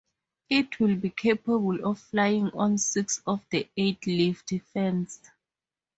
It will be capable of flying on six of the eight lift fans.